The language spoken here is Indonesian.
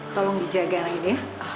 tolong dijaga raya ya